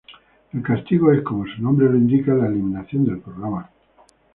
El castigo es, como su nombre lo indica, la eliminación del programa.